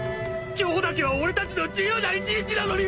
今日だけは俺たちの自由な一日なのに！